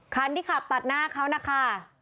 คันที่ขับตัดหน้าเขานะคะ